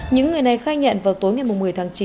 những người này khai nhận vào tối ngày một mươi tháng chín